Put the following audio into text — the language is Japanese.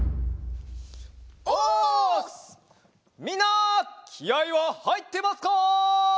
みんなきあいははいってますか？